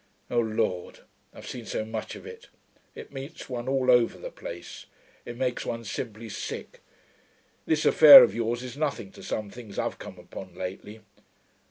O Lord! I've seen so much of it; it meets one all over the place. It makes one simply sick. This affair of yours is nothing to some things I've come upon lately....